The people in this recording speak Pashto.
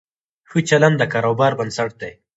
ښه چلند د کاروبار بنسټ دی.